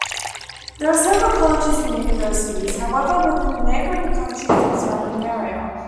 There are several colleges and universities, however, within the neighboring counties and surrounding area.